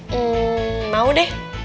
hmm mau deh